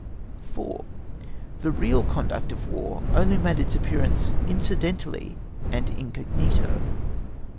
4. THE REAL CONDUCT OF WAR ONLY MADE ITS APPEARANCE INCIDENTALLY AND INCOGNITO.